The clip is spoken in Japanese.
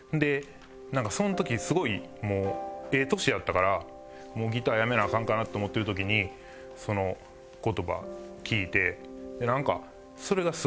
その時すごいもうええ年やったからもうギターやめなアカンかなと思ってる時にその言葉聞いてなんかそれがすごい大きくて。